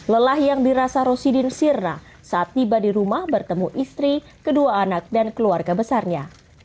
lelah yang dirasa rosidin sirna saat tiba di rumah bertemu istri kedua anak dan keluarga besarnya